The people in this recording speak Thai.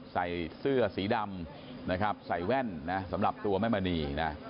ใส่เสื้อสีดำใส่แว่นสำหรับตัวแม่มณี